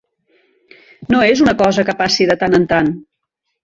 No és una cosa que passi de tant en tant.